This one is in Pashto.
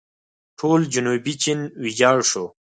ټول جنوبي چین ویجاړ شو.